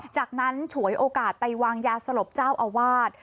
จากนั้นฉวยโอกาสไปวางยาสลบเจ้าอาวาส